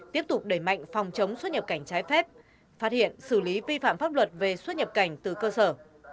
tiếp tục đẩy mạnh phòng chống xuất nhập cảnh trái phép phát hiện xử lý vi phạm pháp luật về xuất nhập cảnh từ cơ sở